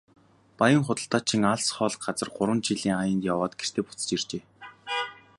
Баян худалдаачин алс хол газар гурван жилийн аянд яваад гэртээ буцаж иржээ.